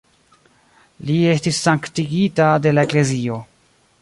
Li estis sanktigita de la eklezio.